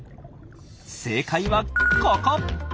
正解はここ！